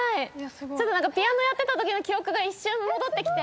ピアノやってたときの記憶が一瞬戻ってきて。